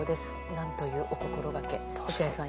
なんというお心がけ。